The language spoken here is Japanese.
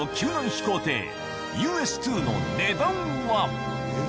飛行艇ＵＳー２の値段は？